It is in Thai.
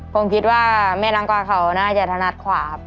ผมคิดว่าแม่นางกวางเขาน่าจะถนัดขวาครับ